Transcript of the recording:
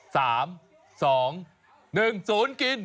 ๓๒๑ศูนย์กิน